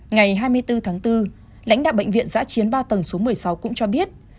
ngày hai mươi bốn tháng bốn lãnh đạo bệnh viện giã chiến ba tầng số một mươi sáu cũng cho biết